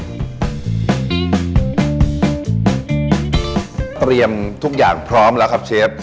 เตรียมทุกอย่างพร้อมแล้วครับเชฟ